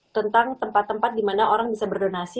tentang tempat tempat di mana orang bisa berdonasi